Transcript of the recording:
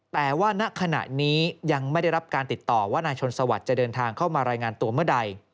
แต่ว่าณขณะนี้ยังไม่ได้รับการติดต่อว่านายชนสวัสดิ์จะเดินทางเข้ามารายงานตัวเมื่อใด